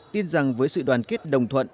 tin rằng với sự đoàn kết đồng thuận